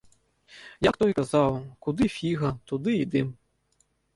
Як той казаў, куды фіга, туды і дым.